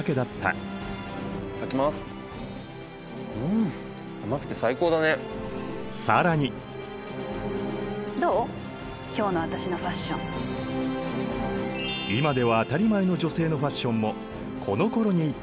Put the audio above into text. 今では当たり前の女性のファッションもこのころに誕生！